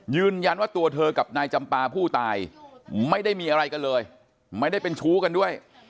ยืนยันว่าตัวเธอกับนายจำปาผู้ตายไม่ได้มีอะไรกันเลยไม่ได้เป็นชู้กันด้วย